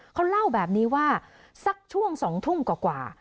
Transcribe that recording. เขาเล่าแบบนี้ว่าสักช่วง๒ทุ่มกว่า